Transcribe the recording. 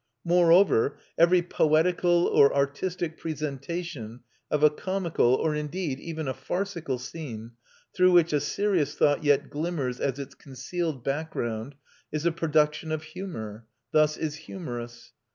Moreover, every poetical or artistic presentation of a comical, or indeed even a farcical scene, through which a serious thought yet glimmers as its concealed background, is a production of humour, thus is humorous.